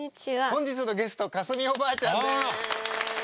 本日のゲスト架純おばあちゃんです！